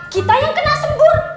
kita yang kena sembur